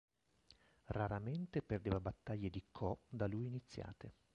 Raramente perdeva battaglie di ko da lui iniziate.